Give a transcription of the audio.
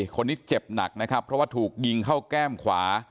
คนนี้เจ็บหนักนะครับเพราะว่าถูกยิงเข้าแก้มขวา